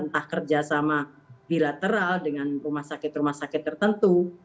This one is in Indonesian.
entah kerjasama bilateral dengan rumah sakit rumah sakit tertentu